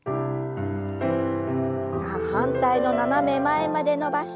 さあ反対の斜め前まで伸ばして戻します。